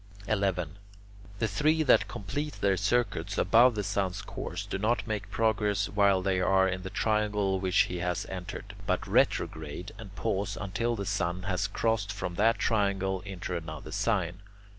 11. The three that complete their circuits above the sun's course do not make progress while they are in the triangle which he has entered, but retrograde and pause until the sun has crossed from that triangle into another sign.